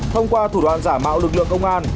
thông qua thủ đoạn giả mạo lực lượng công an